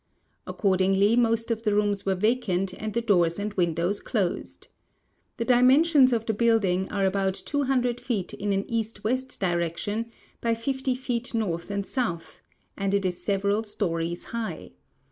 Accordingly most of the rooms were vacant and the doors and windows closed. The dimensions of the building are about 200 feet in an east west direction by 50 feet north and south, and it is several stories high.